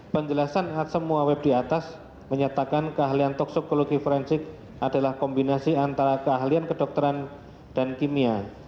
penjelasan semua web di atas menyatakan keahlian toksikologi forensik adalah kombinasi antara keahlian kedokteran dan kimia